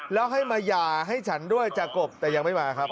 แล้วให้มาหย่าให้ฉันด้วยจากกบแต่ยังไม่มาครับ